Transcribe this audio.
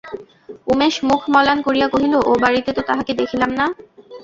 উমেশ মুখ মলান করিয়া কহিল, ও বাড়িতে তো তাঁহাকে দেখিলাম না।